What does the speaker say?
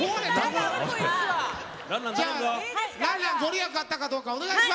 じゃあ爛々御利益あったかどうかお願いします。